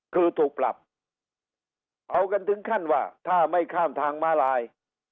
คือถูกปรับเอากันถึงขั้นว่าถ้าไม่ข้ามทางมาลาย